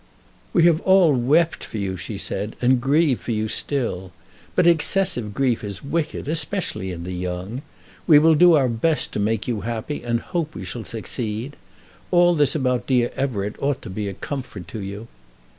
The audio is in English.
"We have all wept for you," she said, "and grieve for you still. But excessive grief is wicked, especially in the young. We will do our best to make you happy, and hope we shall succeed. All this about dear Everett ought to be a comfort to you."